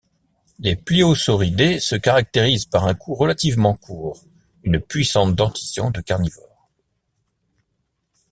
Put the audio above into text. Les pliosauridés se caractérisent par un cou relativement court, une puissante dentition de carnivores.